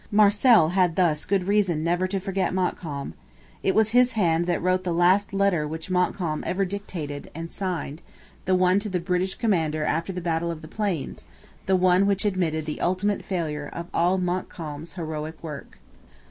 Marcel had thus good reason never to forget Montcalm. It was his hand that wrote the last letter which Montcalm ever dictated and signed, the one to the British commander after the battle of the Plains, the one which admitted the ultimate failure of all Montcalm's heroic work.